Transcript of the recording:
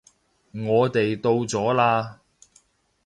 我哋到咗喇